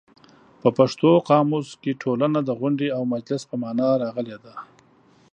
په پښتو قاموس کې ټولنه د غونډې او مجلس په مانا راغلې ده.